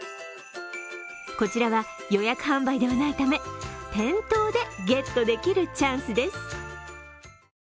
こちらは予約販売ではないため、店頭でゲットできるチャンスです。